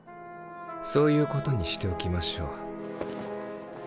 そういうことにしておきましょう。